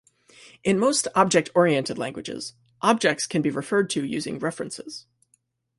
In most object-oriented languages, objects can be referred to using references.